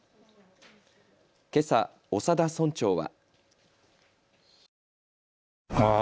けさ、長田村長は。